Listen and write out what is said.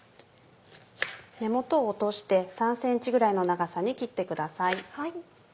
根元を落として３ｃｍぐらいの長さに切ってください。